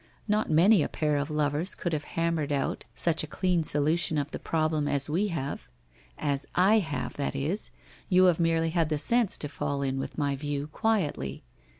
Not many a pair of lovers could have hammered out such a 156 WHITE ROSE OF WEARY LEAF ilcan solution of the problem as we have. As / have, that is, you have merely had the sense to fall in with my view quietly.